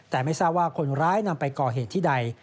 แต่ไม่ทราบว่าคนร้ายนำไปก่อเหตุที่ใด